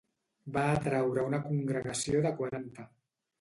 Va atraure una congregació de quaranta.